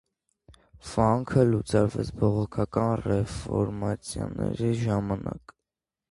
Վանքը լուծարվեց բողոքական ռեֆորմացիաների ժամանակ։